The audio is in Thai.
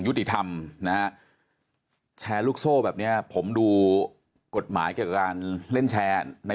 ยุติธรรมแชร์ลูกโซ่แบบนี้ผมดูกฎหมายเกี่ยวกับการเล่นแชร์